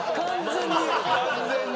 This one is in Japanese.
完全に！